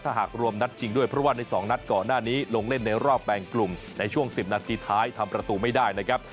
หากรวมนัดชิงด้วยเพราะว่าใน๒นัดก่อนหน้านี้ลงเล่นในรอบแปลงกลุ่มในช่วง๑๐นาทีท้ายทำประตูไม่ได้นะครับ